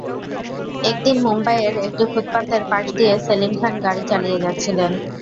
একদিন মুম্বাইয়ের একটি ফুটপাতের পাশ দিয়ে সেলিম খান গাড়ি চালিয়ে যাচ্ছিলেন।